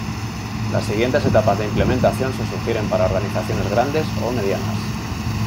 Las siguientes etapas de implementación se sugieren para organizaciones grandes o medianas.